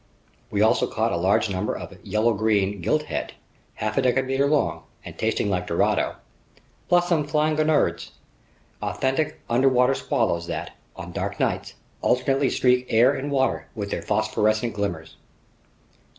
We also caught a large number of yellow green gilthead, half a decimeter long and tasting like dorado, plus some flying gurnards, authentic underwater swallows that, on dark nights, alternately streak air and water with their phosphorescent glimmers.